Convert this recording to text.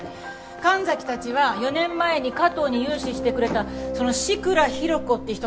神崎たちは４年前に加藤に融資してくれたその志倉寛子っていう人から話聞いてきて。